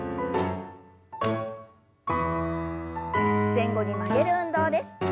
前後に曲げる運動です。